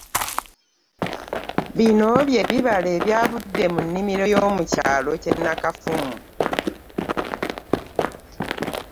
Bino byebibala ebyavudde mu nnimiro y'omukyalo kye Nakafumu.